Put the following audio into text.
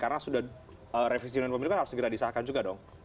karena sudah revisi undang undang pemilu kan harus segera disahkan juga dong